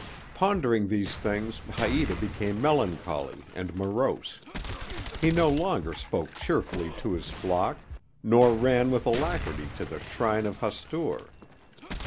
Pondering these things Haïta became melancholy and morose. He no longer spoke cheerfully to his flock, nor ran with alacrity to the shrine of Hastur.